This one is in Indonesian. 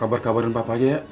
kabar kabarin papa aja ya